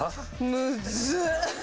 むずっ！